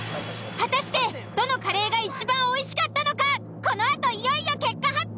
果たしてどのカレーがいちばんおいしかったのかこのあといよいよ結果発表！